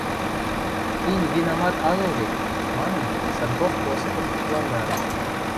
Тинь винамат агыл веть, — манын, Санков Осыпым тыпландарен.